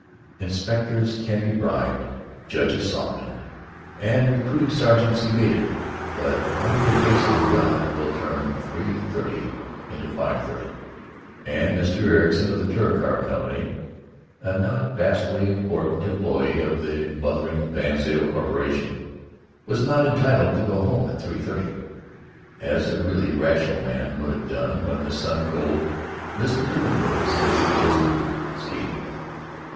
Inspectors can be bribed, judges softened, and recruiting sergeants evaded, but only the grace of God will turn 3.30 into 5.30. And Mr. Ericson of the Touricar Company, a not vastly important employee of the mothering VanZile Corporation, was not entitled to go home at 3.30, as a really rational man would have done when the sun gold misted the windows and suggested skating.